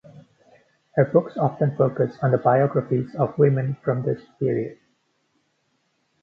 Her books often focus on the biographies of women from this period.